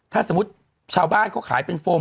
ถ้าสมมุติชาวบ้านเขาขายเป็นโฟม